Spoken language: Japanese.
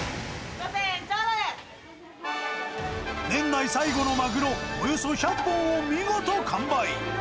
年内最後のマグロ、およそ１００本を見事完売。